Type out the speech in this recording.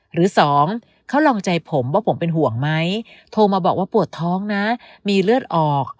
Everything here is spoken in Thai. หรือสองเขาลองใจผมว่าผมเป็นห่วงไหมโทรมาบอกว่าปวดท้องนะมีเลือดออก